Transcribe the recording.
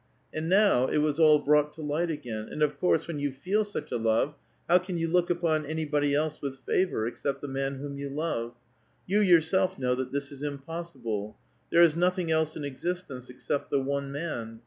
And now it was all brought to light again ; and, of course, when you feel such a love, how can you look upon anybody else with favor, except the man whom you love ? You yourself know that this is impossible. There is nothing else in existence except the one man.